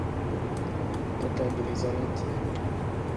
Poté byli zajati.